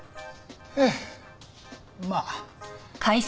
ええまあ。